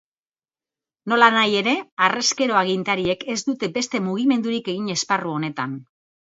Nolanahi ere, harrezkero agintariek ez dute beste mugimendurik egin esparru horretan.